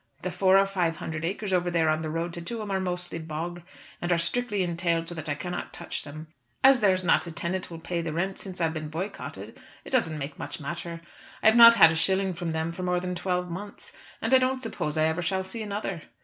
The four or five hundred acres over there on the road to Tuam are mostly bog, and are strictly entailed so that I cannot touch them. As there is not a tenant will pay the rent since I've been boycotted it doesn't make much matter. I have not had a shilling from them for more than twelve months; and I don't suppose I ever shall see another.